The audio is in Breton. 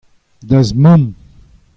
da'z mamm.